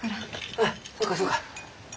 あそうかそうか。